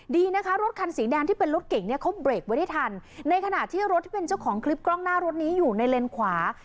ดีนะคะรถคันสีแดงที่เป็นรถเก่งเนี่ยเขาเบรกไว้ได้ทันในขณะที่รถที่เป็นเจ้าของคลิปกล้องหน้ารถนี้อยู่ในเลนขวา